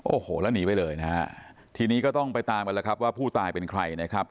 โอ้โหแล้วหนีไปเลยนะฮะทีนี้ก็ต้องไปตามกันแล้วครับว่าผู้ตายเป็นใครนะครับ